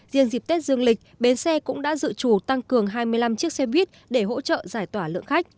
riêng dịp tết dương lịch bến xe cũng đã dự trù tăng cường hai mươi năm chiếc xe buýt để hỗ trợ giải tỏa lượng khách